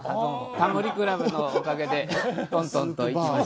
『タモリ倶楽部』のおかげでトントンといきまして。